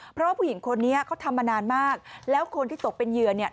เพราะว่าผู้หญิงคนนี้เขาทำมานานมากแล้วคนที่ตกเป็นเหยื่อเนี่ย